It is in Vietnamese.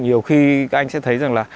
nhiều khi anh sẽ thấy rằng là